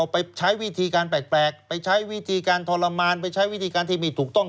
ไปใช้วิธีการแปลกทรมานไปใช้วิธีการที่มีถูกต้อง